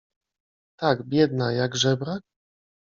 — Tak biedna, jak żebrak?